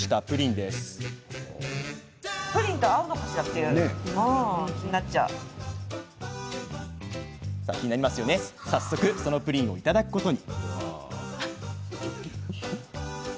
では、早速そのプリンをいただくことに。